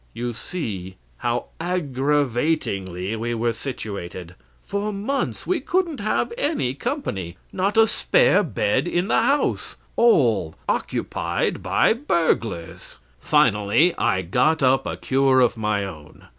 You see how aggravatingly we were situated. For months we couldn't have any company. Not a spare bed in the house; all occupied by burglars. "Finally, I got up a cure of my own.